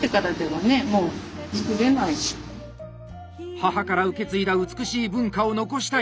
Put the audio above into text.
母から受け継いだ美しい文化を残したい！